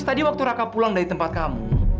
tadi waktu raka pulang dari tempat kamu